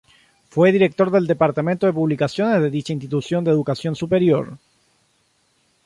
Fue director del Departamento de Publicaciones de dicha institución de educación superior.